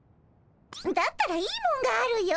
だったらいいもんがあるよ。